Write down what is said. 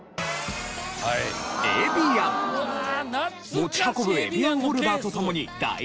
持ち運ぶエビアンホルダーと共に大流行。